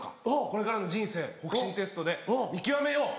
これからの人生北辰テストで見極めよう！」。